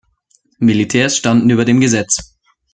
Militärs standen über dem Gesetz.